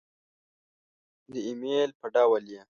د امیل په ډول يې